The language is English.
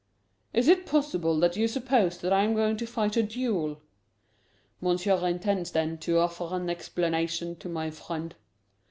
"Is it possible that you suppose that I am going to fight a duel?" "Monsieur intends, then, to offer an explanation to my friend?"